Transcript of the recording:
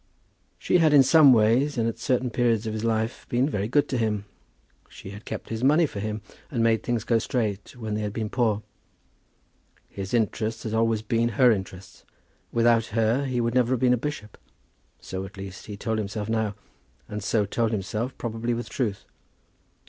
She had in some ways, and at certain periods of his life, been very good to him. She had kept his money for him and made things go straight, when they had been poor. His interests had always been her interests. Without her he would never have been a bishop. So, at least, he told himself now, and so told himself probably with truth.